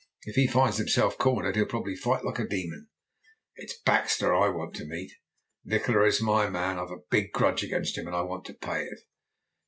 If he finds himself cornered he'll probably fight like a demon." "It's Baxter I want to meet." "Nikola is my man. I've a big grudge against him, and I want to pay it."